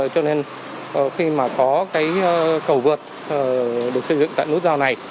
cho nên khi mà có cái cầu vượt được xây dựng tại nút giao này